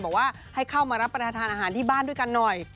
บอกว่าให้เข้ามารับประทานอาหารที่บ้านด้วยกันหน่อย